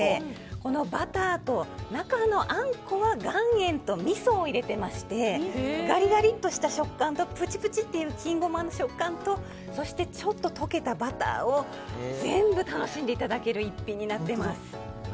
このバターと中のあんこは岩塩とみそを入れてましてガリガリとした食感とプチプチとした金ゴマの食感と溶けたバターを全部楽しんでいただける１品になっています。